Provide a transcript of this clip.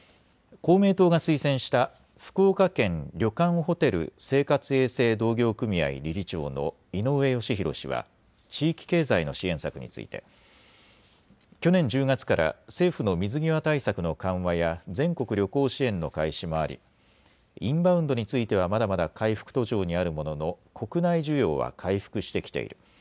公明党が推薦した福岡県旅館ホテル生活衛生同業組合理事長の井上善博氏は地域経済の支援策について去年１０月から政府の水際対策の緩和や全国旅行支援の開始もあり、インバウンドについてはまだまだ回復途上にあるものの国内需要は回復してきている。